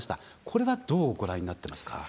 これは、どうご覧になってますか。